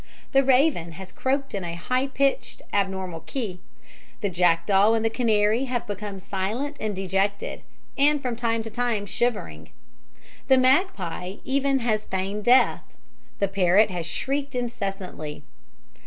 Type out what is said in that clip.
The raven has croaked in a high pitched, abnormal key; the jackdaw and canary have become silent and dejected, from time to time shivering; the magpie even has feigned death; the parrot has shrieked incessantly.